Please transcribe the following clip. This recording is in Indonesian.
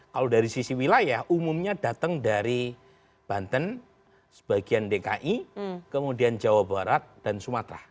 kalau dari sisi wilayah umumnya datang dari banten sebagian dki kemudian jawa barat dan sumatera